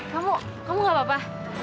kamu kamu gak apa apa